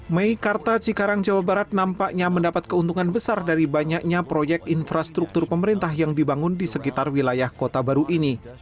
meikarta cikarang jawa barat nampaknya mendapat keuntungan besar dari banyaknya proyek infrastruktur pemerintah yang dibangun di sekitar wilayah kota baru ini